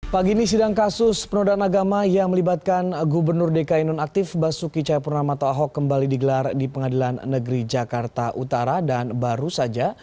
pagi ini sidang kasus penodaan agama yang melibatkan gubernur dki nonaktif basuki cahayapurnamato ahok kembali digelar di pengadilan negeri jakarta utara dan baru saja